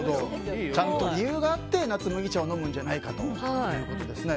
ちゃんと理由があって夏に麦茶を飲むんじゃないかということですね。